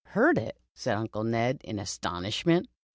"Heard it?" said Uncle Ned, in astonishment.